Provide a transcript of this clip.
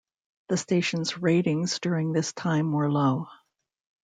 The station's ratings during this time were low.